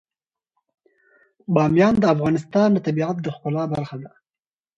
بامیان د افغانستان د طبیعت د ښکلا برخه ده.